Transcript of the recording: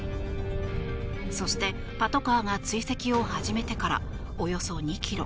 そしてパトカーが追跡を始めてからおよそ２ｋｍ。